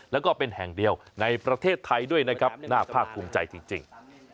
แล้วก็เป็นแห่งเดียวในประเทศไทยด้วยนะครับน่าภาคภูมิใจจริง